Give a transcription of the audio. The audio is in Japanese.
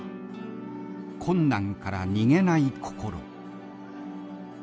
困難から逃げない心。